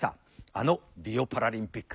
あのリオパラリンピック。